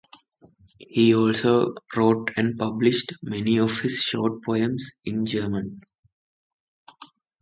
He also wrote and published many of his short poems in German.